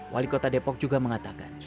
wali kota depok juga mengatakan